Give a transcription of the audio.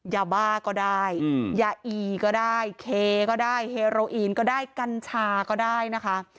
ยาบ้าก็ได้ยาอีก็ได้เคก็ได้เฮโรอีนก็ได้กัญชาก็ได้นะคะ